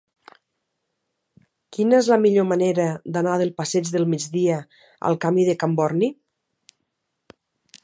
Quina és la millor manera d'anar del passeig del Migdia al camí de Can Borni?